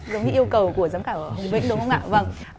giống như yêu cầu của giám khảo hùng vĩnh đúng không ạ